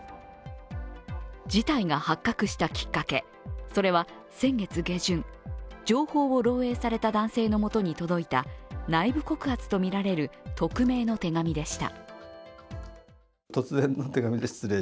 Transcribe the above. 事態が発覚したきっかけ、それは先月下旬情報を漏えいされた男性のもとに届いた内部告発とみられる匿名の手紙でした。